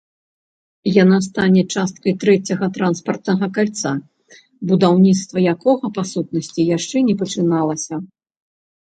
Яна стане часткай трэцяга транспартнага кальца, будаўніцтва якога па сутнасці яшчэ не пачыналася.